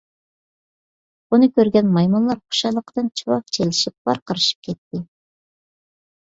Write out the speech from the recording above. بۇنى كۆرگەن مايمۇنلار خۇشاللىقىدىن چاۋاك چېلىشىپ ۋارقىرىشىپ كەتتى.